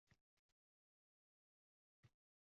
Ayting, zarrachayam yoqtirmaysizmi